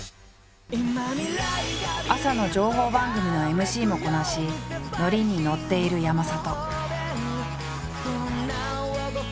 朝の情報番組のＭＣもこなし乗りに乗っている山里。